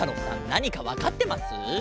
なにかわかってます？